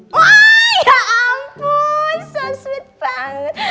waaah ya ampun so sweet banget